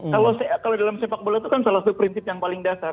kalau dalam sepak bola itu kan salah satu prinsip yang paling dasar